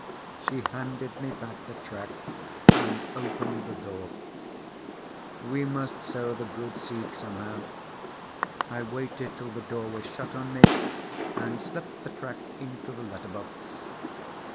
She handed me back the tract, and opened the door. We must sow the good seed somehow. I waited till the door was shut on me, and slipped the tract into the letter box.